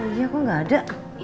iya kok gak ada